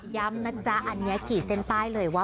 ย้ำนะจ๊ะอันนี้ขีดเส้นใต้เลยว่า